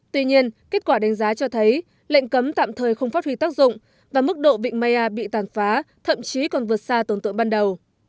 tuy nhiên kết quả đánh giá cho thấy lệnh cấm tạm thời không phát huy tác dụng và mức độ vịnh mê a bị tàn phá thậm chí còn vượt xa tổn tượng ban đầu